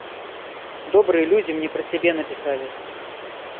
Добрыя людзі мне пра цябе напісалі.